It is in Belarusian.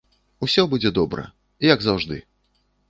Усё будзе добра, як заўжды!